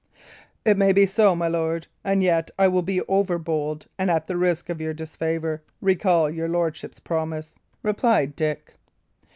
"It may be so, my lord; and yet I will be overbold, and at the risk of your disfavour, recall your lordship's promise," replied Dick.